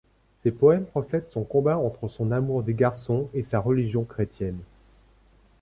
Ses poèmes reflètent son combat entre son amour des garçons et sa religion chrétienne.